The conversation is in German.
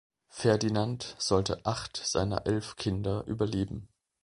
Ferdinand sollte acht seiner elf Kinder überleben.